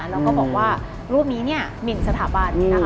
เราก็บอกว่ารูปนี้หมิ่นสถาบัน